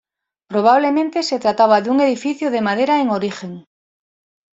Probablemente se trataba de un edificio de madera en origen.